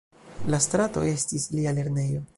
La strato estis lia lernejo.